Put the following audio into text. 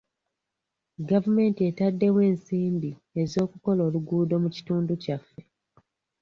Gavumenti etaddewo ensimbi ez'okukola oluguudo mu kitundu kyaffe.